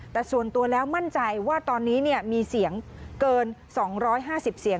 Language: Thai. แต่ส่วนตัวแล้วมั่นใจว่าตอนนี้มีเสียงเกิน๒๕๐เสียง